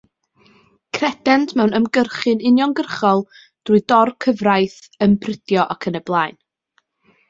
Credent mewn ymgyrchu'n uniongyrchol, drwy dor-cyfraith, ymprydio ac yn y blaen.